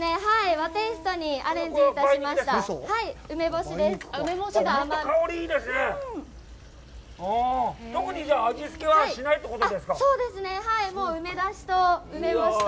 和テイストにアレンジいたしました。